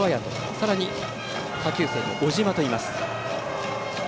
さらに、下級生の小島といます。